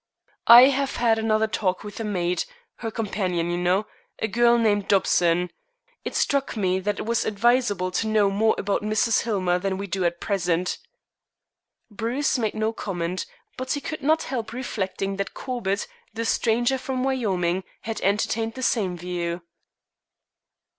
"I have had another talk with the maid, her companion, you know, a girl named Dobson. It struck me that it was advisable to know more about Mrs. Hillmer than we do at present." Bruce made no comment, but he could not help reflecting that Corbett, the stranger from Wyoming, had entertained the same view.